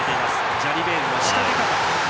ジャリベールの仕掛けから。